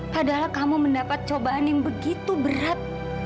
padahal kamu mendapat cobaan yang begitu berat